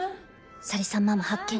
咲里さんママ発見